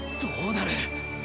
どうなる？